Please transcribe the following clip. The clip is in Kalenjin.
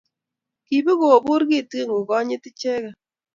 kibigobuur kitigin koganyi icheget